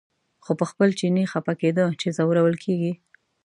خو په خپل چیني خپه کېده چې ځورول کېږي.